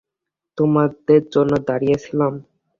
তোমাদের জন্য দাঁড়িয়ে ছিলাম।